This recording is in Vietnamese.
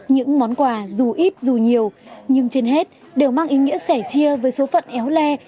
những món quà dù ít dù nhiều nhưng trên hết đều mang ý nghĩa sẻ chia với số phận éo le